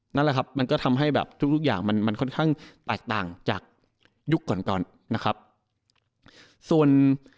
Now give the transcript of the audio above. นั่นแหละมันทำให้ทุกอย่างค่อนข้างตราจต่างจากยุคก่อน